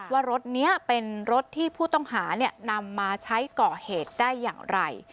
ว่ารถนี้เป็นรถที่ผู้ต้องหานำมาใช้ก่อเหตุได้อย่างไร